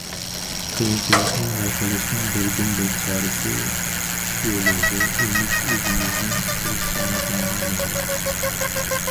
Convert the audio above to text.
قىيىنچىلىقنى ھەل قىلىشنىڭ بىردىنبىر چارىسى، چىقىش يولى ۋە ئۈمىد ئۆزىمىزنىڭ تىرىشچانلىقىمىزغا باغلىق.